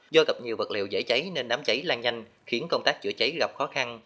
do gặp nhiều vật liệu dễ cháy nên đám cháy lan nhanh khiến công tác chữa cháy gặp khó khăn